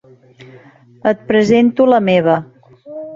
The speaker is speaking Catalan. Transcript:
Et presento la meva.